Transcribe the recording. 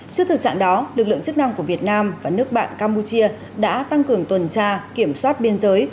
trước thực trạng đó lực lượng chức năng của việt nam và nước bạn campuchia đã tăng cường tuần tra kiểm soát biên giới